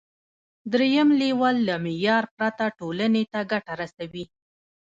دریم لیول له معیار پرته ټولنې ته ګټه رسوي.